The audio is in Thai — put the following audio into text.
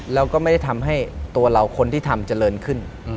แล้วก็ไม่ได้ทำให้ตัวเราคนที่ทำเจริญขึ้น